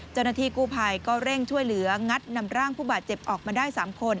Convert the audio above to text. เจ้าหน้าที่กู้ภัยก็เร่งช่วยเหลืองัดนำร่างผู้บาดเจ็บออกมาได้๓คน